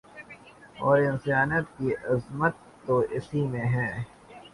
اور انسانیت کی عظمت تو اسی میں ہے